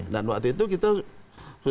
dan waktu itu kita sudah berbicara